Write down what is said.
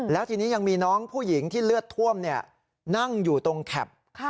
แล้วทีนี้ยังมีน้องผู้หญิงที่เลือดท่วมนั่งอยู่ตรงแคป